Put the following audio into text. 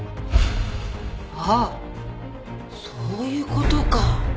あっそういう事か。